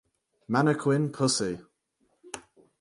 Mannequin Pussy